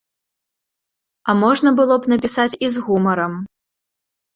А можна было б напісаць і з гумарам.